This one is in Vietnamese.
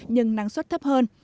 nhưng năng suất thấp hơn